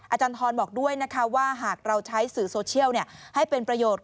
อาจารย์ทรบอกด้วยนะคะว่าหากเราใช้สื่อโซเชียลให้เป็นประโยชน์